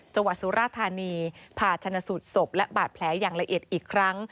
จังหวัดสุรธานีผ่าชนสูตรศพและบาดแผลอย่างละเอ็ดอีกครั้ง